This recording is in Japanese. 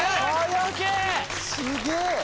すげえ。